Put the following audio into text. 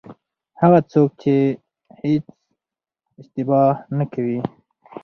هغه څوک چې هېڅ اشتباه نه کوي.